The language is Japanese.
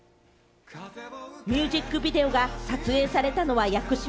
ミュージックビデオが撮影されたのは屋久島。